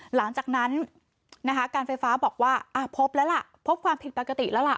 หลังจากนั้นนะคะการไฟฟ้าบอกว่าพบแล้วล่ะพบความผิดปกติแล้วล่ะ